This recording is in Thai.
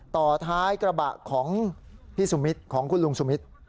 ต่อท้ายกระบะของพี่สุมิตรของคุณลุงสุมิตร